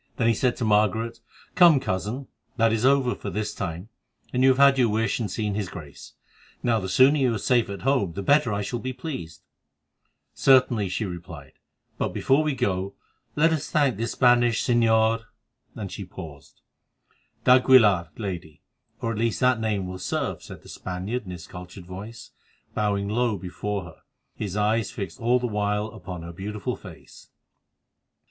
Then he said to Margaret: "Come, Cousin, that is over for this time, and you have had your wish and seen his Grace. Now, the sooner you are safe at home, the better I shall be pleased." "Certainly," she replied. "I have seen more than I desire to see again. But before we go let us thank this Spanish señor——" and she paused. "D'Aguilar, Lady, or at least that name will serve," said the Spaniard in his cultured voice, bowing low before her, his eyes fixed all the while upon her beautiful face.